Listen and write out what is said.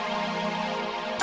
uang berita tersebut